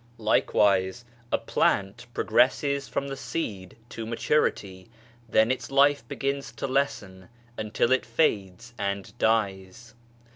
Likewise a plant progresses from the seed to maturity, then its life begins to lessen until it fades and dies.